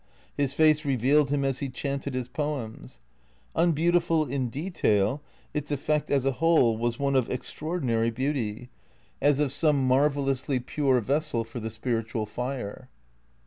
His face revealed him as he chanted his poems. Unbeautiful in de tail, its effect as a whole was one of extraordinary beauty, as of 175 176 THECEEATORS some marvellously pure vessel for the spiritual fire.